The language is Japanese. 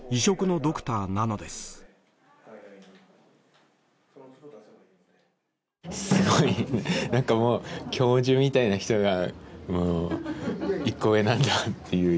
すごくなんかもう教授みたいな人が１個上なんだっていう印象でしたね。